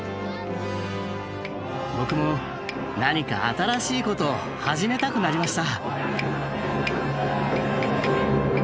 僕も何か新しいことを始めたくなりました。